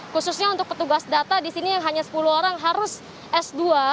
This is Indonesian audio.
khususnya untuk petugas data di sini yang hanya sepuluh orang harus s dua